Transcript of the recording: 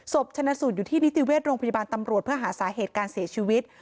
ชนะสูตรอยู่ที่นิติเวชโรงพยาบาลตำรวจเพื่อหาสาเหตุการเสียชีวิต